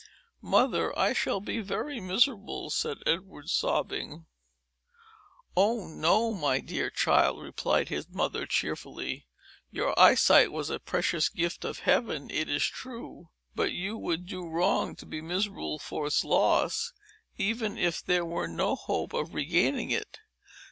"Mother, I shall be very miserable," said Edward, sobbing. "Oh, no, my dear child!" replied his mother, cheerfully. "Your eyesight was a precious gift of Heaven, it is true; but you would do wrong to be miserable for its loss, even if there were no hope of regaining it.